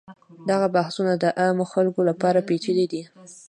دغه بحث د عامو خلکو لپاره پیچلی دی.